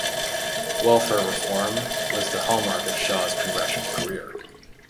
Welfare reform was the hallmark of Shaw's congressional career.